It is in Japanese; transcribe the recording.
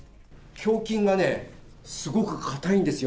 胸筋がね、すごく硬いんですよ。